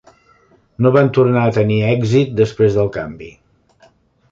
No van tornar a tenir èxit després del canvi.